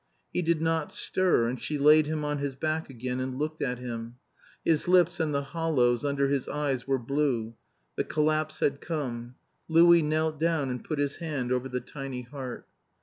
He did not stir, and she laid him on his back again and looked at him. His lips and the hollows under his eyes were blue. The collapse had come. Louis knelt down and put his hand over the tiny heart.